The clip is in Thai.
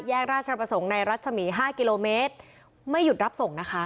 ราชประสงค์ในรัศมี๕กิโลเมตรไม่หยุดรับส่งนะคะ